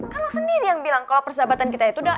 kan lo sendiri yang bilang kalo persahabatan kita itu udah m